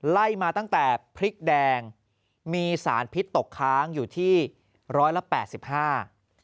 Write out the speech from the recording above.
ไล่มาตั้งแต่พริกแดงมีสารพิษตกค้างอยู่ที่๑๘๕บาท